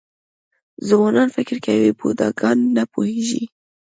ځوانان فکر کوي بوډاګان نه پوهېږي .